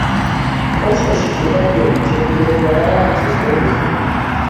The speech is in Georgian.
კოშკში შესასვლელი ჩრდილოეთიდანაა, მიწის დონეზე.